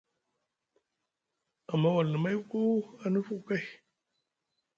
Amma walani mayku a nufuku kay.